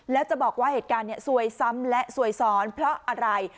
แล้วจะบอกว่าเหตุการณ์ซวยซ้ำและซวยซ้อนเพราะอะไร